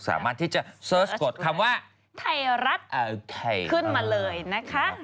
สามารถที่จะเสิร์ชกกดคำว่าไทยรัฐขึ้นมาเลยนะคะ